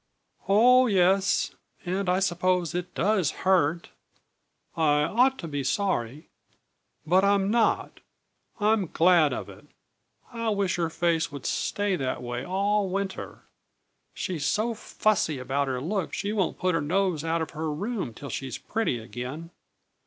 "Oh, yes and I suppose it does hurt, and I ought to be sorry. But I'm not. I'm glad of it. I wish her face would stay that way all winter! She's so fussy about her looks she won't put her nose out of her room till she's pretty again.